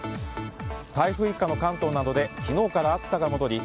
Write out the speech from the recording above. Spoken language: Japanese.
台風一過の関東などで昨日から暑さが戻り